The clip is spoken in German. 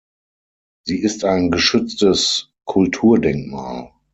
Sie ist ein geschütztes Kulturdenkmal.